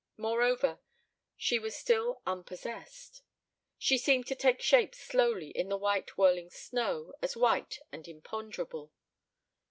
Moreover, she was still unpossessed. ... She seemed to take shape slowly in the white whirling snow, as white and imponderable.